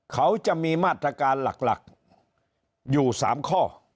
เขาจะมีมาตรการหลักอยู่๓ข้อ